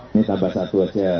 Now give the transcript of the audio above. ini tambah satu aja